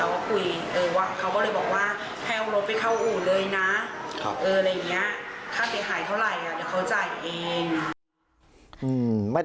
เอออะไรอย่างเนี่ยถ้าเจ๋งหายเท่าไหร่อะเดี๋ยวเขาจ่ายเอง